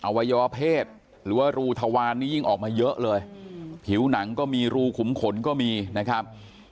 วัยวเพศหรือว่ารูทวานนี้ยิ่งออกมาเยอะเลยผิวหนังก็มีรูขุมขนก็มีนะครับ